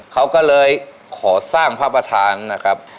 เขาก็เลยขอสร้างพระประธานนะครับ